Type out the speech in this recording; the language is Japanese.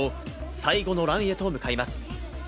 最後のランへと向かいます。